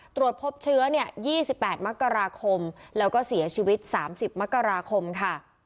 ตรวจพบเชื้อเนี่ยยี่สิบแปดมักกราคมแล้วก็เสียชีวิตสามสิบมักกราคมค่ะ